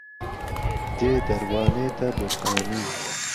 دێ دهروانێته بورهانی